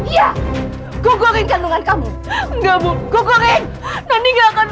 ya kukurin kandungan kamu enggak bu kukurin nanti nggak akan